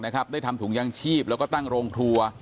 ได้ทำถุงยางชีพแล้วก็ตั้งโรงครัว